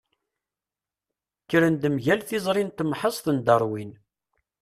Kkren-d mgal tiẓri n temhezt n Darwin.